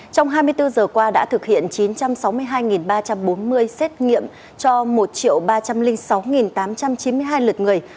trong hai mươi bốn giờ qua đã thực hiện chín trăm sáu mươi hai ba trăm bốn mươi xét nghiệm cho một ba trăm linh sáu tám trăm chín mươi hai lượt người